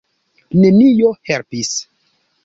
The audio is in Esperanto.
Nenio helpis.